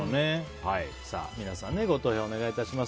皆さん、ご投票をお願いします。